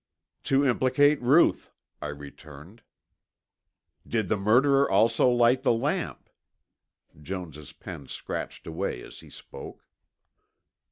"To implicate Ruth," I returned. "Did the murderer also light the lamp?" Jones' pen scratched away as he spoke.